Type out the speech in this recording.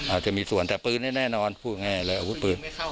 อาจจะมีส่วนแต่ปืนนี่แน่นอนพูดง่ายเลยอาวุธปืน